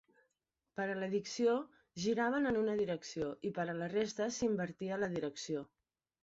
Per a l'addició giraven en una direcció i per a la resta s'invertia la direcció.